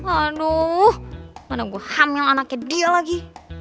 aduh mana gue hamil anaknya dia lagi